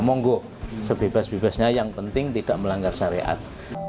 monggo sebebas bebasnya yang penting tidak melanggar syariat